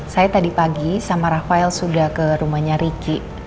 saya tadi pagi sama rafael sudah ke rumahnya ricky